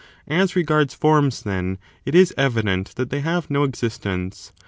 As regards forms, then, it is evident that they have no exist ence.